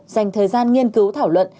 dành thời gian nghiên cứu thảo luận